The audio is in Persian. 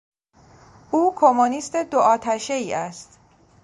او کمونیست دو آتشهای است.